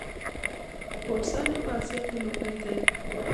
فوټسال یې په اسیا کې لومړی دی.